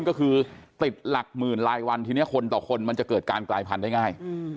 ก็คือติดหลักหมื่นรายวันทีนี้คนต่อคนมันจะเกิดการกลายพันธุ์ได้ง่าย